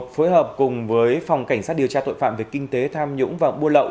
phối hợp cùng với phòng cảnh sát điều tra tội phạm về kinh tế tham nhũng và buôn lậu